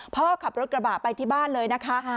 ขับรถกระบะไปที่บ้านเลยนะคะ